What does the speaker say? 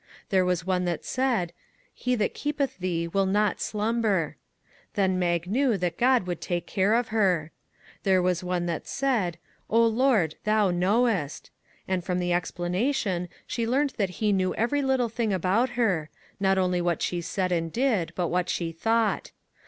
There was one that said, " He that keepeth thee will not slumber." Then Mag knew that God would take care of her. There was one that said, " O Lord, thou knowest," and, from the explanation, she learned that he knew every little thing about her, not only what she said and did, but what she thought.